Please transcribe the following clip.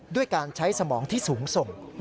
ด้วยการใช้สมองที่สูงส่ง